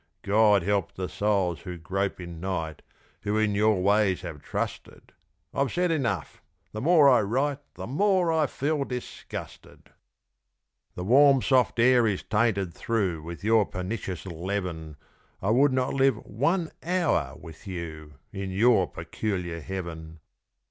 God help the souls who grope in night Who in your ways have trusted! I've said enough! the more I write, The more I feel disgusted. The warm, soft air is tainted through With your pernicious leaven. I would not live one hour with you In your peculiar heaven!